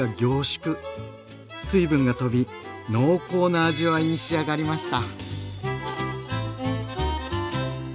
水分が飛び濃厚な味わいに仕上がりました。